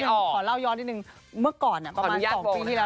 ขอเล่าย้อนนิดนึงเมื่อก่อนประมาณ๒ปีที่แล้ว